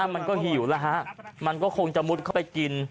มันก็หิวแล้วฮะมันก็คงจะมุดเข้าไปกิน